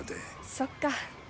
そっか。